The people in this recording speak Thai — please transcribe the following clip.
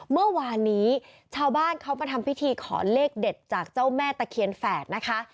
เมื่อวานนี้ชาวบ้านเขามาทำพิธีขอเลขเด็ดจากเจ้าแม่ตะเคียนแฝดนะคะ